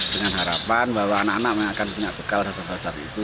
dengan harapan bahwa anak anak akan punya bekal dasar dasar itu